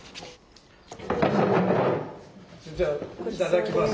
じゃあいただきます。